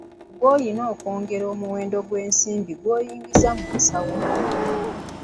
Gwe oyina okwongera omuwendo gw'ensimbi z'oyingiza mu nsawo yo.